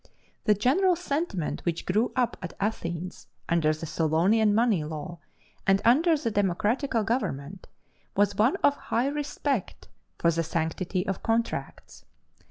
The general sentiment which grew up at Athens, under the Solonian money law and under the democratical government, was one of high respect for the sanctity of contracts.